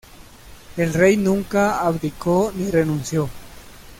El rey nunca abdicó ni renunció.